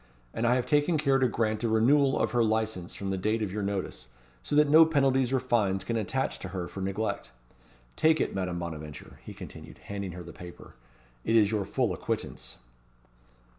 And I have taken care to grant a renewal of her licence from the date of your notice; so that no penalties or fines can attach to her for neglect. Take it, Madame Bonaventure," he continued, handing her the paper. "It is your full acquittance."